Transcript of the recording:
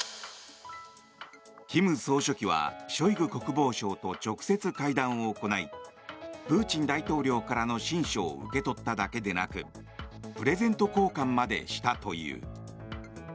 金総書記はショイグ国防相と直接会談を行いプーチン大統領からの親書を受け取っただけでなくプレゼント交換までしたという。